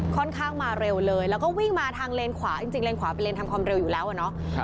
ค่อนข้างมาเร็วเลยแล้วก็วิ่งมาทางเลนขวาจริงเลนขวาเป็นเลนทำความเร็วอยู่แล้วอะเนาะ